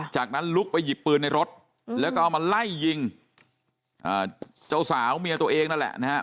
จากนั้นลุกไปหยิบปืนในรถแล้วก็เอามาไล่ยิงเจ้าสาวเมียตัวเองนั่นแหละนะฮะ